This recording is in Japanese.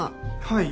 はい。